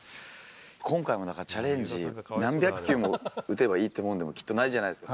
今回もだから、チャレンジ、何百球も打てばいいというもんでもきっとないじゃないですか。